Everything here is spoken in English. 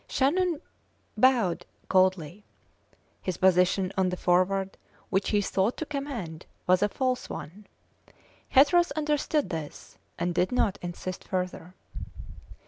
Shandon bowed coldly. His position on the Forward, which he thought to command, was a false one. Hatteras understood this, and did not insist further.